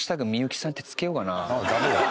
ダメだよ。